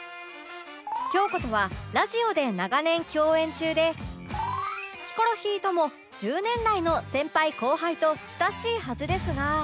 京子とはラジオで長年共演中でヒコロヒーとも１０年来の先輩後輩と親しいはずですが